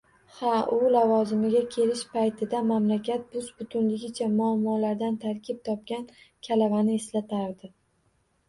Ha, u lavozimga kelish paytida mamlakat bus-butunligicha muammolardan tarkib topgan kalavani eslatardi